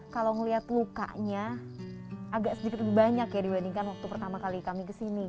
kalau melihat lukanya agak sedikit lebih banyak ya dibandingkan waktu pertama kali kami kesini